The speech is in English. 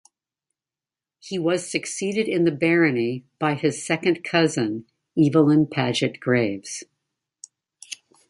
He was succeeded in the barony by his second cousin Evelyn Paget Graves.